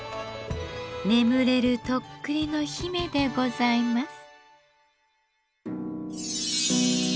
眠れる徳利の姫でございます。